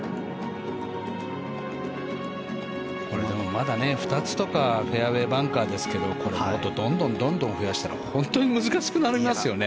まだ２つとかフェアウェーバンカーですけどどんどん増やしたら本当に難しくなりますよね。